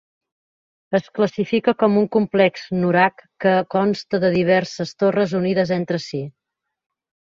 Es classifica com un complex nurag, que consta de diverses torres unides entre si.